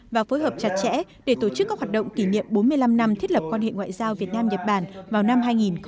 và phối hợp chặt chẽ để tổ chức các hoạt động kỷ niệm bốn mươi năm năm thiết lập quan hệ ngoại giao việt nam nhật bản vào năm hai nghìn hai mươi